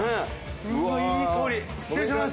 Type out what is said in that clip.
うわっいい香り失礼します。